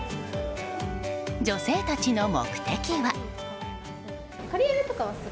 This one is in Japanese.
女性たちの目的は。